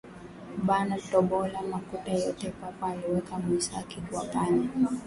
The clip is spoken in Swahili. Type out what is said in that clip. Bana tobola makuta yote papa aliweka mu saki kwa panya